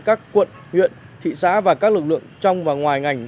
các quận huyện thị xã và các lực lượng trong và ngoài ngành